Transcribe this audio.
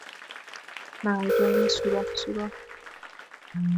مرجان سوراخ سوراخ